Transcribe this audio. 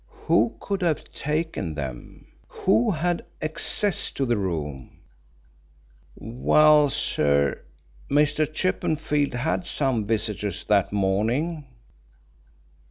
"Who could have taken them? Who had access to the room?" "Well, sir, Mr. Chippenfield had some visitors that morning."